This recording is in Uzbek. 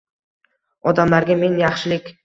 Odamlarga men yaxshilik —